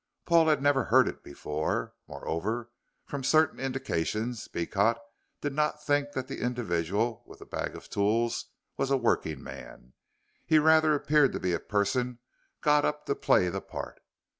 Paul had never heard it before. Moreover, from certain indications Beecot did not think that the individual with the bag of tools was a working man. He rather appeared to be a person got up to play the part.